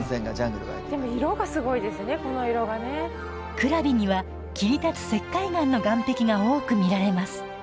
クラビには切り立つ石灰岩の岩壁が多く見られます。